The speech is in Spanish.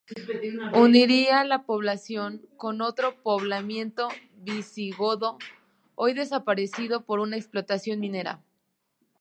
Uniría la población con otro poblamiento visigodo hoy desaparecido por una explotación minera.